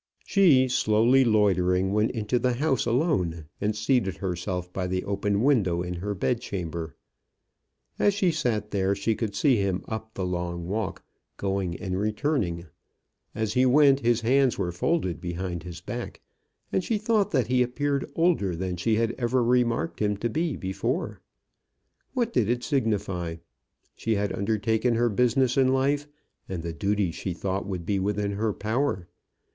She, slowly loitering, went into the house alone, and seated herself by the open window in her bed chamber. As she sat there she could see him up the long walk, going and returning. As he went his hands were folded behind his back, and she thought that he appeared older than she had ever remarked him to be before. What did it signify? She had undertaken her business in life, and the duties she thought would be within her power.